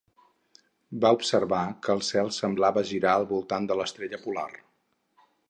Va observar que el cel semblava girar al voltant de l'estrella polar.